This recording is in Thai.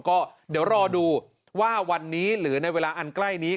ก็เดี๋ยวรอดูว่าวันนี้หรือในเวลาอันใกล้นี้